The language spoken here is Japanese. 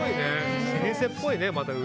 老舗っぽいね。